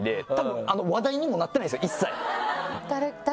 一切。